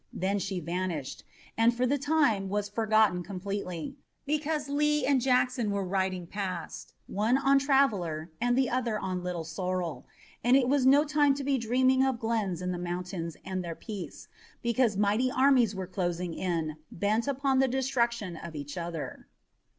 Then she vanished, and for the time was forgotten completely, because Lee and Jackson were riding past, one on Traveler and the other on Little Sorrel, and it was no time to be dreaming of glens in the mountains and their peace, because mighty armies were closing in, bent upon the destruction of each other.